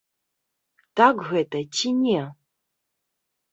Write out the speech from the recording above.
Так гэта ці не?